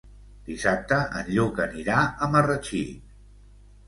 Dissabte en Lluc anirà a Marratxí.